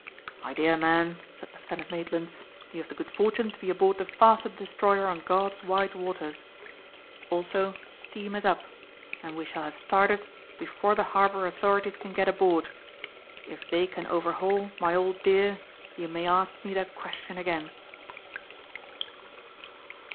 "My dear man," said Lieutenant Maitland, "you have the good fortune to be aboard the fastest destroyer on God's wide waters. Also steam is up and we shall have started before the harbour authorities can get aboard. If they can overhaul my old dear you may ask me that question again."